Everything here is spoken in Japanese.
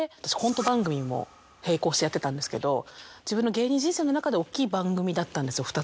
私コント番組も並行してやってたんですけど自分の芸人人生の中でおっきい番組だったんですよ